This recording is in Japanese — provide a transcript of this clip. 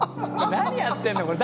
何やってんのこれ。